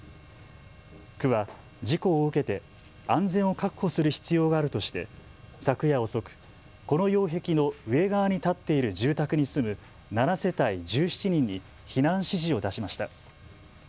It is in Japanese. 区は事故を受けて安全を確保する必要があるとして昨夜遅くこの擁壁の上側に建っている住宅に住む７世帯１７人に避難指示を出しました。